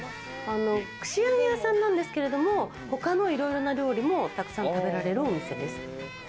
串揚げ屋さんなんですけれども、他のいろいろな料理も沢山食べられるお店です。